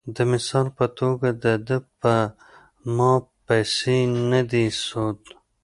د مثال پۀ توګه د دۀ پۀ ما پېسې نۀ دي سود ،